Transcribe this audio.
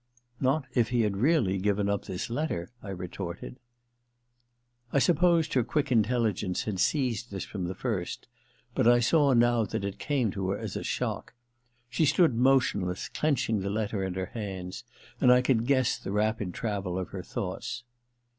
* Not if he had really given up this letter,' I retorted. I supposed her quick intelligence had seized this from the first ; but I saw now that it came to her as a shock. She stood motionless, clench* ing the letter in her hands, and I could guess the rapid travel of her thoughts.